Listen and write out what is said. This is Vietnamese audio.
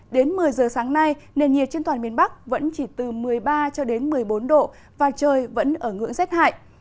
đến một mươi giờ sáng nay nền nhiệt trên toàn miền bắc vẫn chỉ từ một mươi ba cho đến một mươi bốn độ và trời vẫn ở ngưỡng rét hại